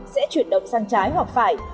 sẽ chuyển động sang trái hoặc phải